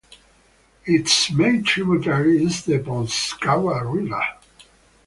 Its main tributary is the Polskava River.